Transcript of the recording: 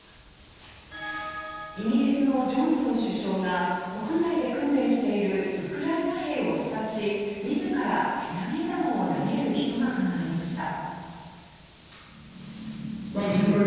イギリスのジョンソン首相が国内で訓練しているウクライナ軍を視察し自ら、手投げ弾を投げる一幕がありました。